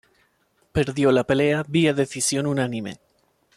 Perdió la pelea vía decisión unánime.